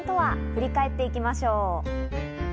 振り返っていきましょう。